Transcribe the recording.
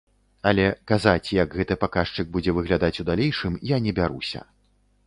Але казаць, як гэты паказчык будзе выглядаць у далейшым, я не бяруся.